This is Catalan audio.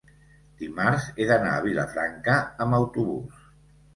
Dimarts he d'anar a Vilafranca amb autobús.